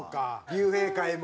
竜兵会も。